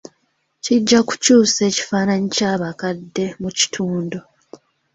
Kijja kukyusa ekifaananyi ky'abakadde mu kitundu.